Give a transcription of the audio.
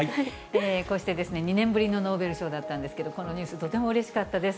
こうしてですね、２年ぶりのノーベル賞だったんですけれども、このニュース、とてもうれしかったです。